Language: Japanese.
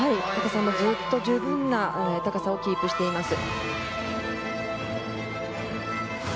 ずっと十分な高さをキープしています。